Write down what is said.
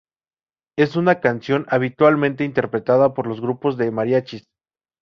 Es una canción habitualmente interpretada por los grupos de mariachis.